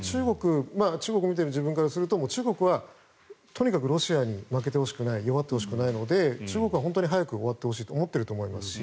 中国を見ている自分からすると中国はとにかくロシアに負けてほしくない弱ってほしくないので中国は早く終わってほしいと思っていると思いますし。